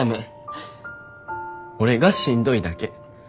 俺がしんどいだけ。